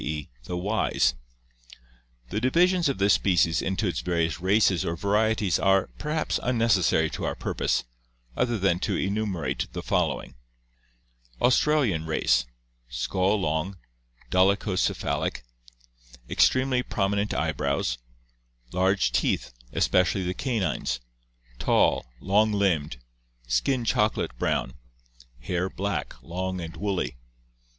e., the wise. The divi sions of this species into its various races or varieties are, perhaps, unnecessary to our purpose, other than to enumerate the following: Australian race: skull long (dolichocephalic); extremely promi nent eyebrows; large teeth, especially the canines; tall, long limbed; skin chocolate brown; hair black, long and woolly.